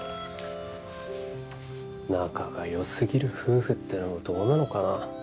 仲が良すぎる夫婦ってのもどうなのかな